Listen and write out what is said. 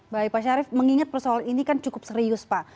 baik pak syarif mengingat persoalan ini kan cukup serius pak